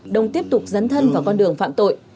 đông tiếp tục dấn thân vào con đường phạm tội